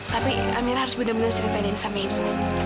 tapi amira harus bener bener ceritain sama ibu